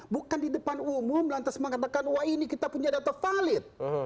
bukan di depan umum lantas mengatakan wah ini kita punya data valid